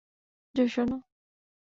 জো, শোনো।